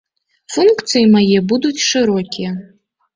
Функцыі мае будуць шырокія.